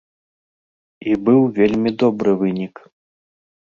І быў вельмі добры вынік.